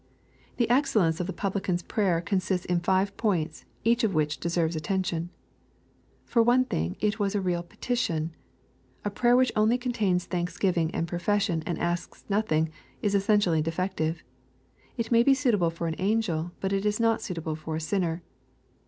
The excellence of the Publican's prayer consists in five points, each of which deserves attention. For one thing, it was a real petition, A prayer which only contains thanksgiving and^tofession, and asks nothing, is essen tially defective. It may be suitable for an angel, but it is not suitable for a sinner.